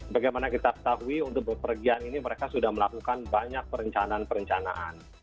bagaimana kita ketahui untuk berpergian ini mereka sudah melakukan banyak perencanaan perencanaan